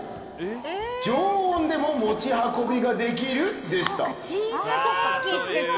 常温でも持ち運びができるでした。